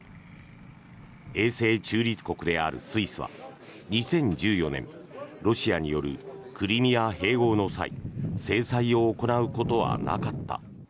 永世中立国であるスイスは２０１４年ロシアによるクリミア併合の際制裁を行うことはなかった。